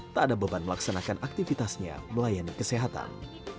tak ada beban melaksanakan aktivitasnya melayani kesehatan